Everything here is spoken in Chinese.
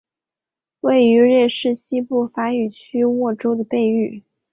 位于瑞士西部法语区沃州的贝城。